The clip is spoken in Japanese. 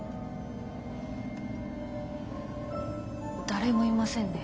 誰もいませんね。